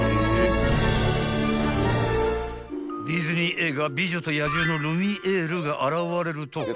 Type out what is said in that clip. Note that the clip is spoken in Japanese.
［ディズニー映画『美女と野獣』のルミエールが現れると］